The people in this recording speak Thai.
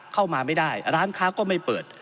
เข้ามาไม่ได้ร้านค้าก็ไม่เปิด